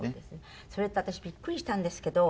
それと私びっくりしたんですけど。